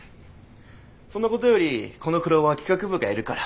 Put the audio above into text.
そんなことよりこのフロアは企画部がやるから。